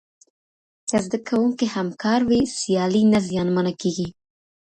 که زده کوونکي همکار وي، سیالي نه زیانمنه کېږي.